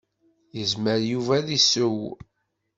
Yezmer Yuba ad iseww.